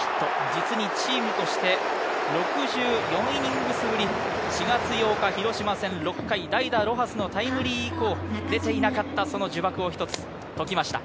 実にチームとして６４イニングスぶり、４月８日広島戦、６回代打ロハスのタイムリー以降出ていなかった呪縛を一つ解きました。